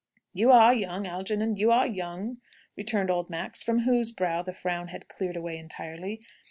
"You are young, Algernon, you are young," returned old Max, from whose brow the frown had cleared away entirely.